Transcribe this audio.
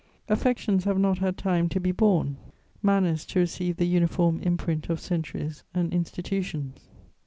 Affections have not had time to be born, manners to receive the uniform imprint of centuries and institutions.